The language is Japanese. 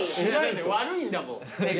悪いんだもん手が。